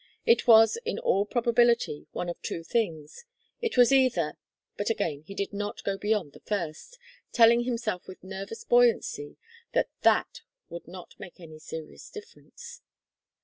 It was, in all probability, one of two things, it was either but again he did not go beyond the first, telling himself with nervous buoyancy that that would not make any serious difference.